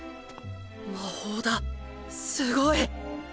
魔法だすごい！